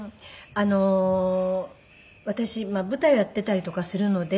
私舞台をやっていたりとかするので。